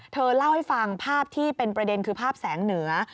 เธอเล่าให้ฟังภาพที่เป็นประเด็นคือภาพแสงเหนือ